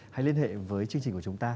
hãy liên hệ với chương trình của chúng ta